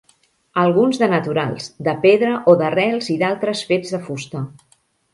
Alguns de naturals, de pedra o d'arrels i d'altres fets de fusta.